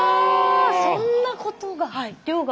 そんなことが。